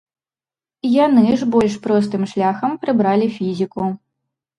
Яны ж больш простым шляхам прыбралі фізіку.